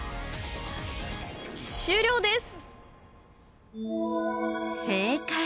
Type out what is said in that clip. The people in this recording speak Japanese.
終了です。